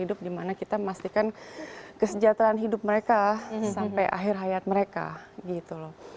hidup dimana kita memastikan kesejahteraan hidup mereka sampai akhir hayat mereka gitu loh